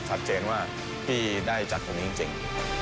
สัจเจนว่าพี่ได้จัดกรุงจริง